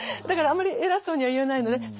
だからあんまり偉そうには言えないので。